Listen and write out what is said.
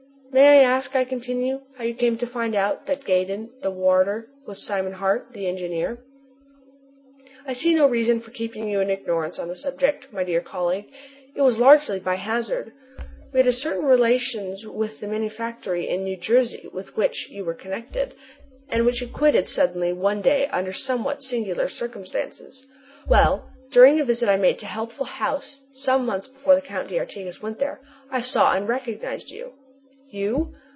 "May I ask," I continue, "how you came to find out that Gaydon, the warder, was Simon Hart, the engineer?" "I see no reason for keeping you in ignorance on the subject, my dear colleague. It was largely by hazard. We had certain relations with the manufactory in New Jersey with which you were connected, and which you quitted suddenly one day under somewhat singular circumstances. Well, during a visit I made to Healthful House some months before the Count d'Artigas went there, I saw and recognized you." "You?"